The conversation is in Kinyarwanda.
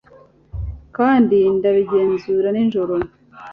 kandi ndabigenzura nijoro